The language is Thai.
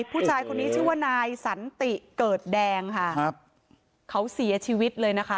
ผู้ชายคนนี้ชื่อว่านายสันติเกิดแดงค่ะครับเขาเสียชีวิตเลยนะคะ